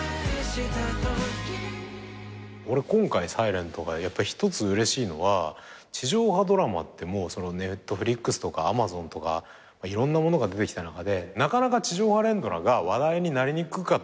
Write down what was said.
俺今回『ｓｉｌｅｎｔ』が一つうれしいのは地上波ドラマってＮｅｔｆｌｉｘとかＡｍａｚｏｎとかいろんなものが出てきた中でなかなか地上波連ドラが話題になりにくかったと思うのよ。